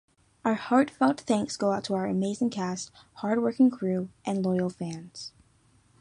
Our heartfelt thanks go out to our amazing cast, hard-working crew and loyal fans.